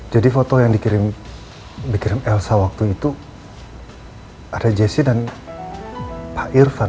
jadi foto yang dikirim elsa waktu itu ada jesse dan pak irvan